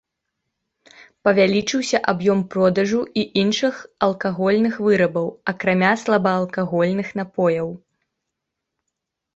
Павялічыўся аб'ём продажу і іншых алкагольных вырабаў, акрамя слабаалкагольных напояў.